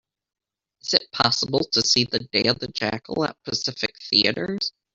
Is it possible to see The Day of the Jackal at Pacific Theatres